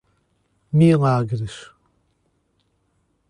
Milagres